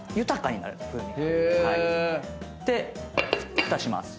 でふたします。